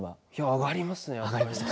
上がりますよね。